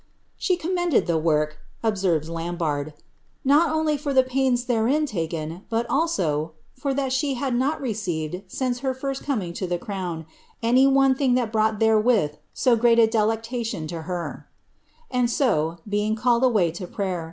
" She commended the work," observes Lambarde. ■• not only for the pains therein laken, but also ' for that she had not teceiveJ, since her first coming lo the crown, any one thing that brought there with so great a delectation to her ;' and so, being called away to prayer.